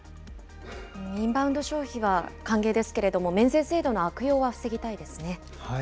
インバウンド消費は歓迎ですけれども、免税制度の悪用は防ぎたいですね。